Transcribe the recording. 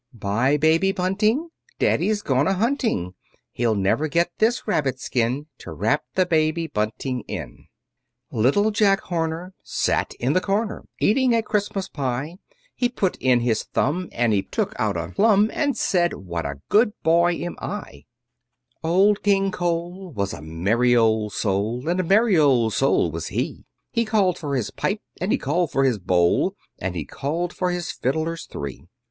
Bye, baby bunting, Daddy's gone a hunting, He'll never get this rabbit's skin, To wrap the baby bunting in. Little Jack Horner Sat in the corner, Eating a Christmas pie; He put in his thumb, And he took out a plum, And said, "What a good boy am I!" Old King Cole Was a merry old soul, And a merry old soul was he: He called for his pipe, And he called for his bowl, And he called for his fiddlers three.